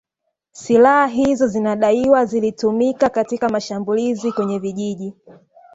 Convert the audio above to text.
Silaha hizo zinadaiwa zilitumika katika mashambulizi kwenye vijiji